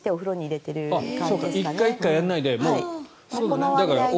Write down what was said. なるほど１回１回やらないで。